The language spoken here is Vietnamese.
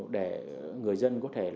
để người dân có thể